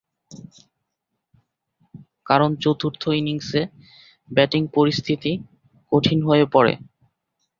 কারণ চতুর্থ ইনিংসে ব্যাটিং পরিস্থিতি কঠিন হয়ে পড়ে।